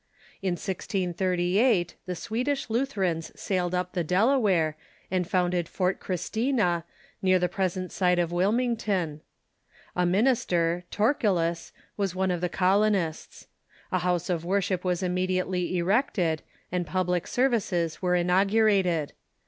In 1638 the Swedish Lutherans sailed up the Delaware, and founded Fort Christina, near the present site of Wilmington. A minister, Torkillus, was one of the colonists. A house of worship was immediately erected, and public services were inaugurated.